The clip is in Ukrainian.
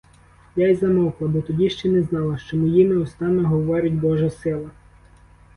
Я й замовкла, бо тоді ще не знала, що моїми устами говорить божа сила.